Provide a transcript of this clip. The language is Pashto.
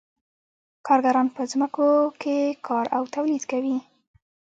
کارګران په ځمکو کې کار او تولید کوي